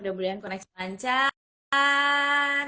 udah mulai koneksi lancar